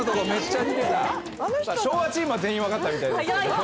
昭和チームは全員分かったみたいなんですけど。